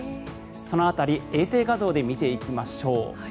その辺り衛星画像で見ていきましょう。